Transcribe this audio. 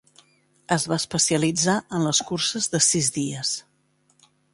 Es va especialitzar en les curses de sis dies.